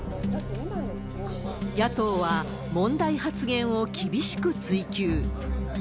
野党は問題発言を厳しく追及。